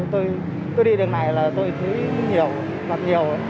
tôi đi đường này là tôi thấy nhiều